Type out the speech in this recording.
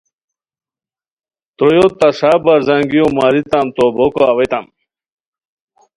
ترویو تہ ݰا برزانگیو ماریتام توبوکو اویتام